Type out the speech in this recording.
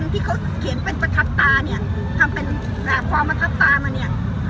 ที่เขาเขียนเป็นประทับตาทำเป็นแหลบความประทับตามา